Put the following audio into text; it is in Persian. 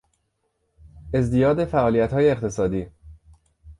ازدیاد فعالیتهای اقتصادی